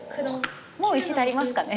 もう石足りますかね？